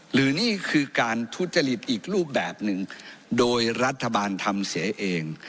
หรือนี่คือการทุจริตอีกรูปแบบหนึ่งโดยรัฐบาลทำเสียเอง